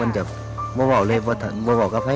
เป็นเจ้าบาปเป็นต่างเพลากับไฟ